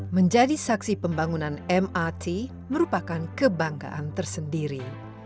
menjadi saksi pembangunan mrt merupakan kebanggaan tersendiri